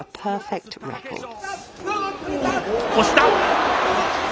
押した。